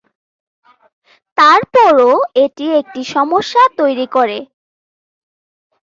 তারপরও এটি একটি সমস্যা তৈরি করে।